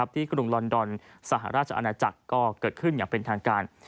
กรุงลอนดอนสหราชอาณาจักรก็เกิดขึ้นอย่างเป็นทางการ